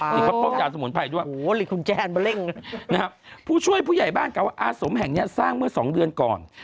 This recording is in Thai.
อ๋อหรือคุณแจนมาเร่งนะครับผู้ช่วยผู้ใหญ่บ้านเกาะอาสมแห่งเนี่ยสร้างเมื่อ๒เดือนก่อน